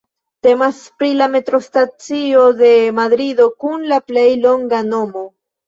Temas pri la metrostacio de Madrido kun la plej longa nomo.